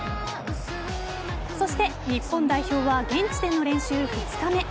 そして日本代表は現地での練習２日目。